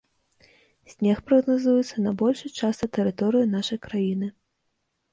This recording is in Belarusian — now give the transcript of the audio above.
Снег прагназуецца на большай частцы тэрыторыі нашай краіны.